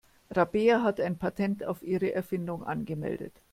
Rabea hat ein Patent auf ihre Erfindung angemeldet.